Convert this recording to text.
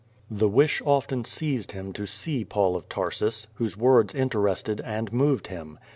The wish often seized him to see Paul of Tarsus, whose words interested and moved him.